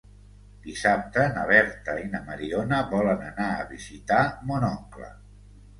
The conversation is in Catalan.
Dissabte na Berta i na Mariona volen anar a visitar mon oncle.